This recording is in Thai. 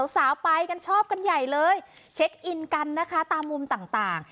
สาวไปกันชอบกันใหญ่เลยเช็คอินกันนะคะตามมุมต่าง